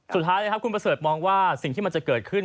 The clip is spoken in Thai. สุดท้ายนะครับคุณประเสริฐมองว่าสิ่งที่มันจะเกิดขึ้น